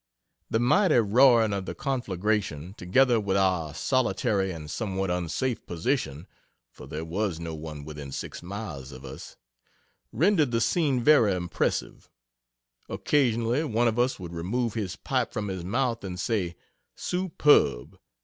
The mighty roaring of the conflagration, together with our solitary and somewhat unsafe position (for there was no one within six miles of us,) rendered the scene very impressive. Occasionally, one of us would remove his pipe from his mouth and say, "Superb!